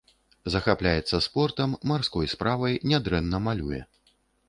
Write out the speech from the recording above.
Захапляецца спортам, марской справай, нядрэнна малюе.